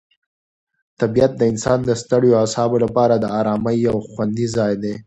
طبیعت د انسان د ستړیو اعصابو لپاره د آرامۍ یو خوندي ځای دی.